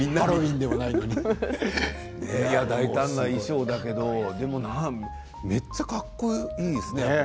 大胆な衣装だけれどめっちゃかっこいいですね。